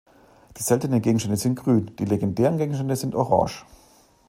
Die seltenen Gegenstände sind Grün, die legendären Gegenstände sind Orange.